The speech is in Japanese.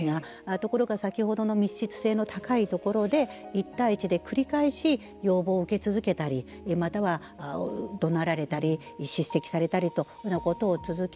ところが先ほどの密室性の高いところで１対１で繰り返し要望を受け続けたりまたはどなられたり叱責されたりということを続け